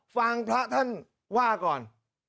ฟังพระท่านว่าก่อน